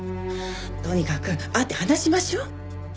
とにかく会って話しましょう？